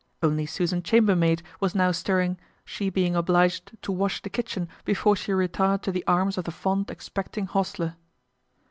Only Susan Chambermaid was now stirring, she being obliged to wash the kitchen before she retired to the arms of the fond expecting hostler.